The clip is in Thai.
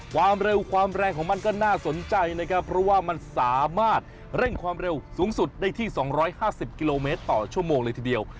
ความเร็วความแรงของมันก็น่าสนใจนะครับเพราะว่ามันสามารถเร่งความเร็วสูงสุดได้ที่๒๕๐กิโลเมตรต่อชั่วโมงเลยทีเดียว